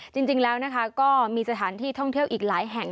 จริงแล้วนะคะก็มีสถานที่ท่องเที่ยวอีกหลายแห่ง